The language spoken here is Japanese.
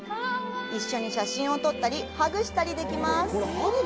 一緒に写真を撮ったり、ハグしたりできます！